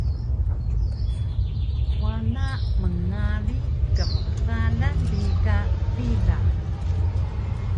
wana mngari kmxalan bi ka pila